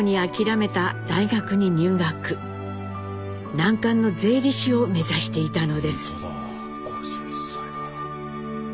難関の税理士を目指していたのです。